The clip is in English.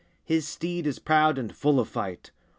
His steed is proud and full of fight.